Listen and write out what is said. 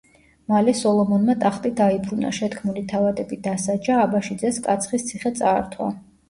მალე სოლომონმა ტახტი დაიბრუნა, შეთქმული თავადები დასაჯა, აბაშიძეს კაცხის ციხე წაართვა.